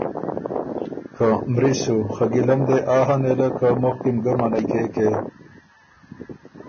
که مری سُو، خه ګیلۀ م دې آ هۀ نېله که مُخکی م ګۀ منعنئ کېکې